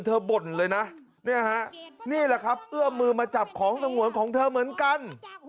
บ่นเลยนะเนี่ยฮะนี่แหละครับเอื้อมมือมาจับของสงวนของเธอเหมือนกัน